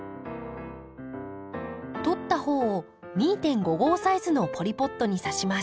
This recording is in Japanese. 取った穂を２．５号サイズのポリポットにさします。